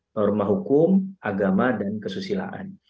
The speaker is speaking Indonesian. permahukum agama dan kesusilaan